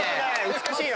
美しいよ。